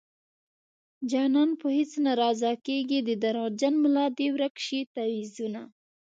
جانان په هيڅ نه رضا کيږي د دروغجن ملا دې ورک شي تعويذونه